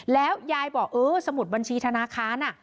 แล้วยายบอกเออสมุดบัญชีธนาคาร